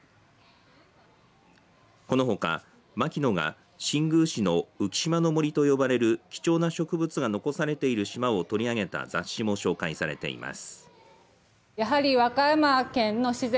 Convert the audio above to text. このほか牧野が新宮市の浮島の森と呼ばれる貴重な植物が残されている島を取り上げた雑誌も紹介されています。